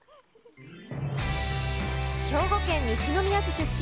兵庫県西宮市出身。